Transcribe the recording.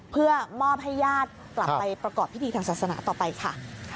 เพื่อมอบให้ญาติกลับไปประกอบพิธีทางศาสนาต่อไปค่ะ